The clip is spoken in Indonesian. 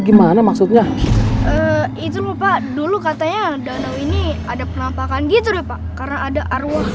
gimana maksudnya itu lho pak dulu katanya danau ini ada penampakan gitu deh pak karena ada arwah